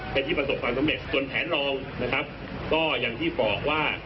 เป็นที่ประสบความสำเร็จส่วนแผนรองนะครับก็อย่างที่บอกว่า